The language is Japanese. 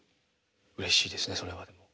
うれしいですねそれは。